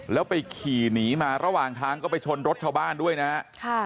แล้วไปขี่หนีมาระหว่างทางก็ไปชนรถชาวบ้านด้วยนะฮะ